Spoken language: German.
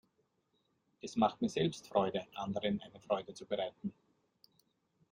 Es macht mir selbst Freude, anderen eine Freude zu bereiten.